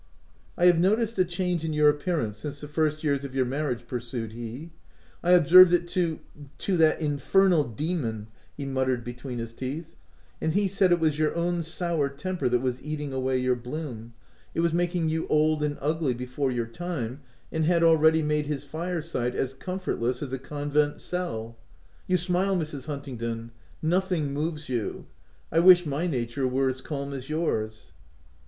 " I have noticed a change in your appearance , since the first years of your marriage," pursued he :" I observed it to — to that infernal de mon," he muttered between his teeth — "and he said it was your own sour temper that was eating away your bloom : it was making you 12 THE TENANT old and ugly before your time, and had already made his fire side as comfortless as a convent cell — You smile Mrs. Huntingdon — nothing moves you. I wish my nature were as calm as yours